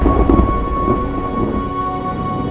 pernah lihat anak ini